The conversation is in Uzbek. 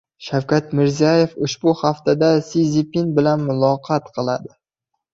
Shavkat Mirziyoyev ushbu haftada Si Szinpin bilan muloqot qiladi